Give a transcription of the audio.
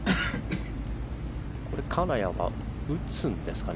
金谷は打つんですかね。